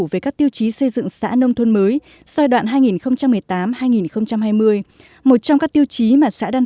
về các tiêu chí xây dựng xã nông thôn mới giai đoạn hai nghìn một mươi tám hai nghìn hai mươi một trong các tiêu chí mà xã đan